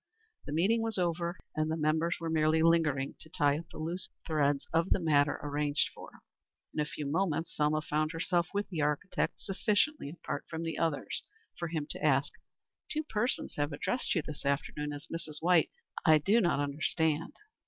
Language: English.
The meeting was over and the members were merely lingering to tie up the loose threads of the matter arranged for. In a few moments Selma found herself with the architect sufficiently apart from the others for him to ask: "Two persons have addressed you this afternoon as Mrs. White. I do not understand."